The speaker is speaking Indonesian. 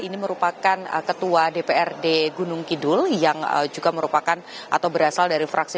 ini merupakan ketua dprd gunung kidul yang juga merupakan atau berasal dari fraksi